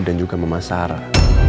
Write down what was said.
dan juga mas sarah